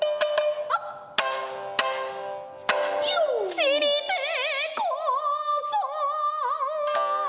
「散りてこそ」